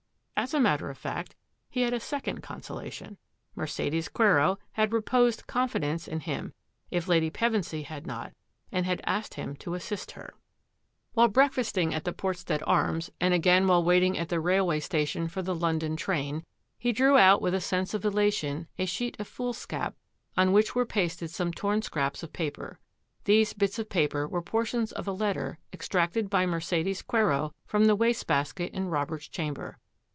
As a matter of fact, he had a second consola tion. Mercedes Quero had reposed confidence in him, if Lady Pevensy had not, and had asked him to assist her. 211 212 THAT AFFAIR AT THE MANOR While breakfasting at the Portstead Arms, and again while waiting at the railway station for the London train, he drew out with a sense of elation a sheet of foolscap on which were pasted some torn scraps of paper. These bits of paper were por tions of a letter extracted by Mercedes Quero from the wastebasket in Robert's chamber.